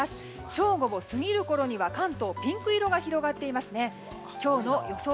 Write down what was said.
正午を過ぎるころには関東はピンク色が広がっていて今日の予想